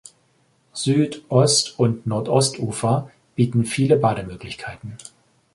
Süd-, Ost- und Nordostufer bieten viele Bademöglichkeiten.